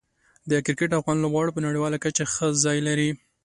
د کرکټ افغان لوبغاړو په نړیواله کچه ښه ځای لري.